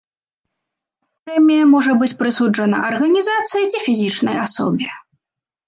Прэмія можа быць прысуджана арганізацыі ці фізічнай асобе.